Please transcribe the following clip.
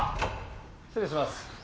失礼します。